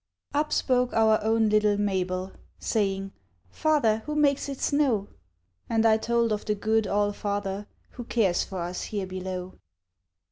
Up spoke our own little Mabel, Saying, "Father, who makes it snow?" And I told of the good All father Who cares for us here below.